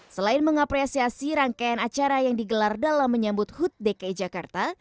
selain mengapresiasi rangkaian acara yang digelar dalam menyambut hud dki jakarta